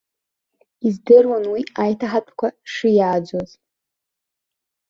Издыруан уи аиҭаҳатәқәа шиааӡоз.